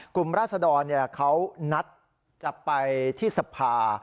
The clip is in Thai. กลุ่มราษดรเขานัดจะไปที่สภา